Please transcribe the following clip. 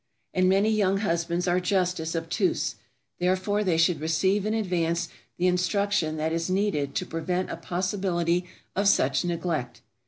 And many young husbands are just as obtuse, therefore they should receive in advance the instruction that is needed to prevent a possibility of such neglect.